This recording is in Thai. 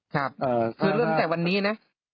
ครับหรือแบบวันนี้นะ